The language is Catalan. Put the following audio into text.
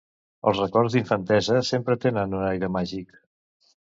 Els records d'infantesa sempre tenen un aire màgic.